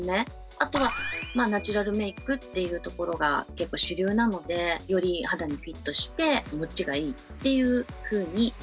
あとはまあナチュラルメイクっていうところが結構主流なのでより肌にフィットして持ちがいいっていうふうに思います。